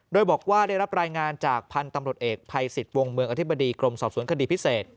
โดยบอกว่าได้รับรายงานจากพันธุ์ตำรวจเอกภัยสิทธิ์วงเมืองอธิบดีกรมสอบสวนคดีพิเศษ